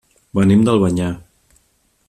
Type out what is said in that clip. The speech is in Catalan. Venim d'Albanyà.